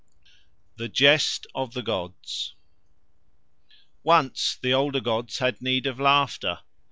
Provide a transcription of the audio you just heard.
THE JEST OF THE GODS Once the Older gods had need of laughter.